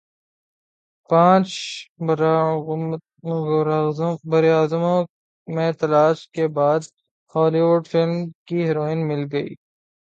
پانچ براعظموں میں تلاش کے بعد ہولی وڈ فلم کی ہیروئن مل گئی